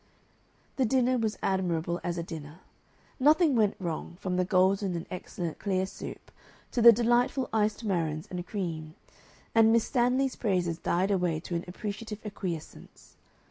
The dinner was admirable as a dinner; nothing went wrong, from the golden and excellent clear soup to the delightful iced marrons and cream; and Miss Stanley's praises died away to an appreciative acquiescence.